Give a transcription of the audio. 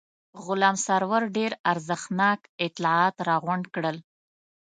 غلام سرور ډېر ارزښتناک اطلاعات راغونډ کړل.